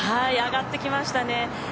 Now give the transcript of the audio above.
上がってきましたね。